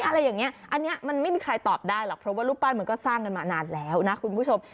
อะไรอย่างนี้อันนี้มันไม่มีใครตอบได้หรอกเพราะว่ารูปปั้นมันก็สร้างกันมานานแล้วนะคุณผู้ชม